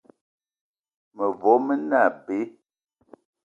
Mevo me ne abe.